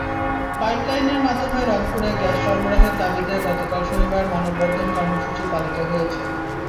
পাইপলাইনের মাধ্যমে রংপুরে গ্যাস সরবরাহের দাবিতে গতকাল শনিবার মানববন্ধন কর্মসূচি পালিত হয়েছে।